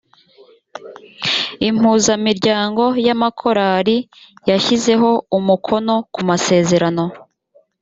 impuzamiryango ya makorari yashyizeho umukono ku masezerano